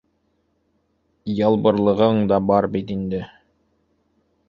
Ялбырлығың да бар бит инде.